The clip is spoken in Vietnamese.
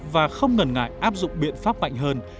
và không ngần ngại áp dụng biện pháp mạnh hơn